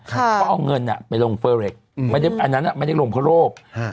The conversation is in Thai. เขาเอาเงินอะไปลงเฟอร์เร็กซ์อันนั้นอะไม่ได้ลงเพราะโรค